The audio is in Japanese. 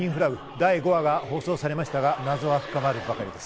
第５話が放送されましたが、謎は深まるばかりです。